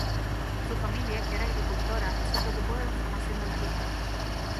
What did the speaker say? Su familia, que era agricultura, se preocupó de la formación de las hijas.